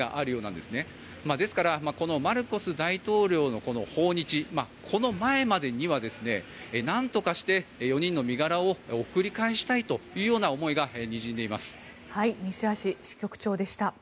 ですから、マルコス大統領の訪日この前までにはなんとかして４人の身柄を送り返したいという西橋支局長でした。